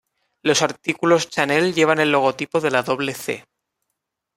Los artículos Chanel llevan el logotipo de la doble "C".